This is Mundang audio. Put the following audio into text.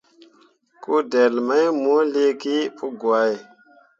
Kudelle mai mo liigi pǝgwahe.